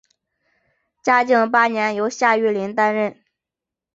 嘉靖八年由夏玉麟接任。